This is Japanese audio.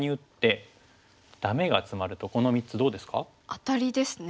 アタリですね。